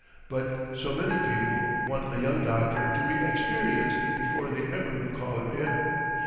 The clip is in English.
But so many people want a young doctor to be experienced before they ever will call him in!